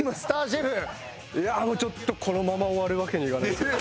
いやもうちょっとこのまま終わるわけにいかないですね。